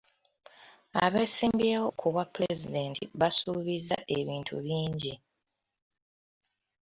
Abesimbyewo ku bwa pulezidenti basuubiza ebintu bingi.